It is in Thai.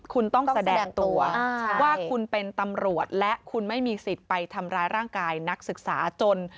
คุณต้องแสดงตัวว่าคุณเป็นตำรวจและคุณไม่มีสิทธิ์ไปทำร้ายร่างกายนักศึกษาจน